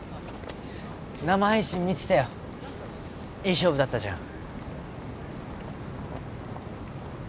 生配信見てたよいい勝負だったじゃん